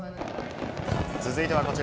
続いてはこちら。